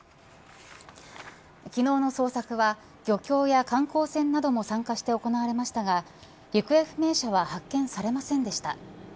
昨日の捜索は漁協や観光船なども参加して行われましたが行方不明者は発見されませんでした。